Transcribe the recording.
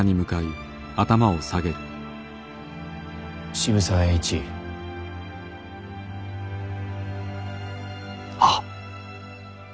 渋沢栄一。ははっ。